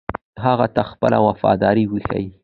هغه ته خپله وفاداري وښيي.